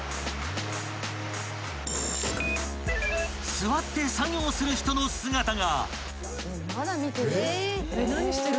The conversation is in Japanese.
［座って作業する人の姿が］